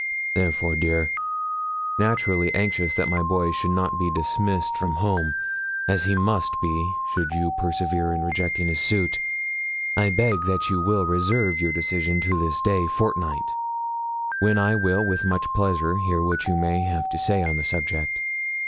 'Therefore, dear, naturally anxious that my boy should not be dismissed from home as he must be, should you persevere in rejecting his suit I beg that you will reserve your decision to this day fortnight, when I will with much pleasure hear what you may have to say on the subject.